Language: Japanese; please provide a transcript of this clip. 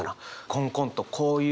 こんこんとこういう